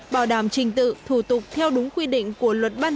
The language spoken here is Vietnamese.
bảo đảm trình tự thủ tục theo đúng quy định của luật ban hành